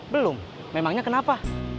belum memangnya kenapa